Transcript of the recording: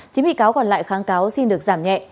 chín bị cáo còn lại kháng cáo xin được giảm nhẹ